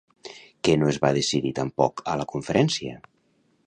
Què no es va decidir tampoc a la conferència?